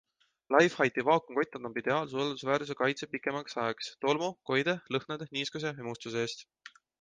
Leifheiti vaakumkott annab ideaalse usaldusväärse kaitse pikemaks ajaks tolmu, koide, lõhnade, niiskuse ja mustuse eest.